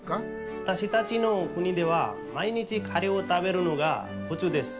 わたしたちの国では毎日カレーを食べるのがふつうです。